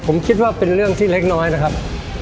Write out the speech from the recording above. ผมคิดว่าเป็นเรื่องที่เล็กน้อยนะครับ